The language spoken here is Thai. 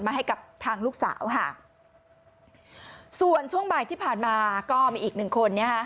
ให้กับทางลูกสาวค่ะส่วนช่วงบ่ายที่ผ่านมาก็มีอีกหนึ่งคนนะฮะ